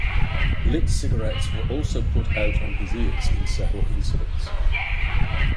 Lit cigarettes were also put out on his ears in several incidents.